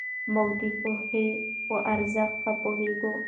موږ د پوهې په ارزښت ښه پوهېږو.